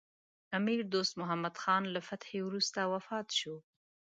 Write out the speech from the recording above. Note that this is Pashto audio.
امیر دوست محمد خان له فتحې وروسته وفات شو.